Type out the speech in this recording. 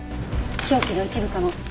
凶器の一部かも。